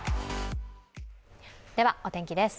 ではお天気です。